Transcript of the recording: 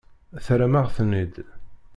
Terram-aɣ-ten-id.